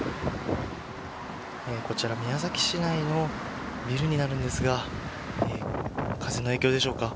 こちら宮崎市内のビルになるんですが風の影響でしょうか。